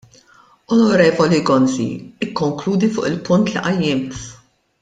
Onorevoli Gonzi, ikkonkludi fuq il-punt li qajjimt.